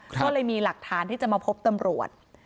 ก็เลยมีหลักฐานที่จะมาพบตำรวจ